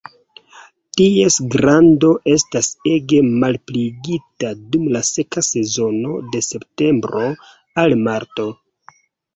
Ties grando estas ege malpliigita dum la seka sezono de septembro al marto.